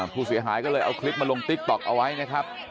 ผู้เสียหายก็เลยเอาคลิปมาลงติ๊กต๊อกเอาไว้นะครับ